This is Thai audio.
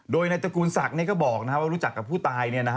โดยนายตระกูลศักดิ์เนี่ยก็บอกนะฮะว่ารู้จักกับผู้ตายเนี่ยนะฮะ